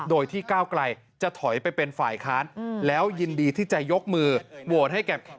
โดยที่ก้าวไกลจะถอยไปเป็นฝ่ายค้านแล้วยินดีที่จะยกมือโหวตให้กับ